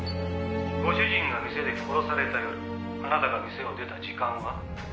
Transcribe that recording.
「ご主人が店で殺された夜あなたが店を出た時間は？」